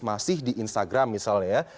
masih di instagram misalnya ya